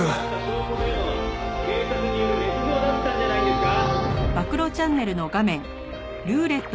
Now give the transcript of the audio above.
「証拠というのは警察による捏造だったんじゃないですか？」